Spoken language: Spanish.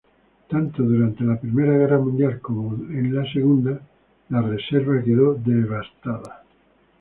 Tanto durante la Primera Guerra Mundial como en la Segunda, la reserva quedó devastada.